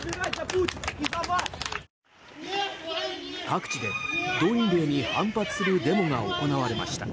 各地で動員令に反発するデモが行われました。